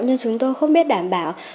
nhưng chúng tôi không biết đảm bảo